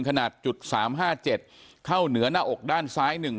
ขนาดจุด๓๕๗เข้าเหนือหน้าอกด้านซ้าย๑